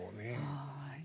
はい。